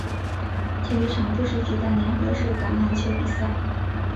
体育场不时举行联合式橄榄球比赛。